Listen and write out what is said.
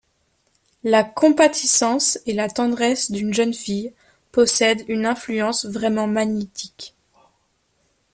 La compatissance et la tendresse d’une jeune fille possèdent une influence vraiment magnétique.